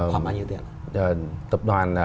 khoảng bao nhiêu tiền